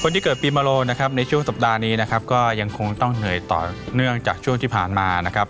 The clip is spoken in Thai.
ที่เกิดปีมาโลนะครับในช่วงสัปดาห์นี้นะครับก็ยังคงต้องเหนื่อยต่อเนื่องจากช่วงที่ผ่านมานะครับ